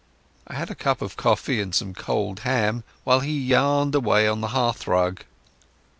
I had a cup of coffee and some cold ham, while he yarned away on the hearthrug.